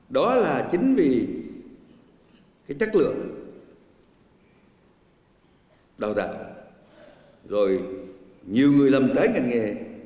đó là chính vì cái chất lượng đào tạo rồi nhiều người làm trái ngành nghề